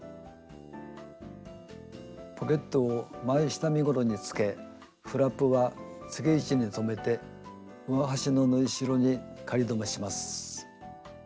ポケットを前下身ごろにつけフラップはつけ位置に留めて上端の縫いしろに仮留めします。